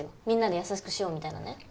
みんなで優しくしようみたいなね